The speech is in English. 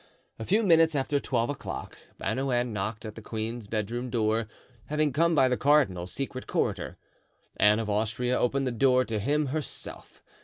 A few minutes after twelve o'clock Bernouin knocked at the queen's bedroom door, having come by the cardinal's secret corridor. Anne of Austria opened the door to him herself.